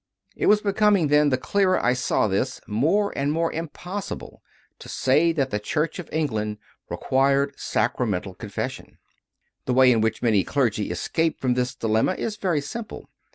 It was becoming, then, the clearer I saw this, more and more impossible to say that the Church of England required sacramental confession. 94 CONFESSIONS OF A CONVERT The way in which many clergy escape from this dilemma is very simple.